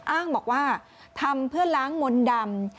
อ้างบอกว่าทำเพื่อล้างมนต์ดำ